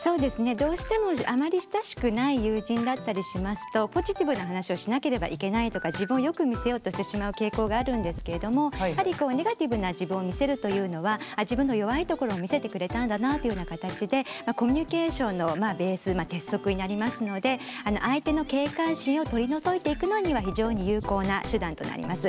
どうしてもあまり親しくない友人だったりしますとポジティブな話をしなければいけないとか自分をよく見せようとしてしまう傾向があるんですけれどもやはりこうネガティブな自分を見せるというのは自分の弱いところを見せてくれたんだなっていうような形でコミュニケーションのベース鉄則になりますので相手の警戒心を取り除いていくのには非常に有効な手段となります。